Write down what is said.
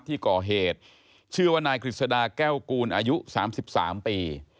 ที่ก่อเหตุชื่อว่านายกฤษฎาแก้วกูลอายุ๓๓ปี